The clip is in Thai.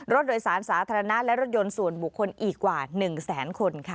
รถโดยสารสาธารณะและรถยนต์ส่วนบุคคลอีกกว่า๑แสนคนค่ะ